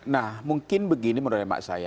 nah mungkin begini menurut emak saya